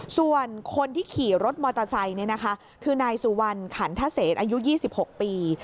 ส่วนคนที่ขี่รถมอเตอร์ไซค์คือนายสุวรรณขันทเศษอายุ๒๖ปี